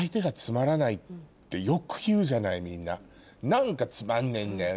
「何かつまんねぇんだよな」。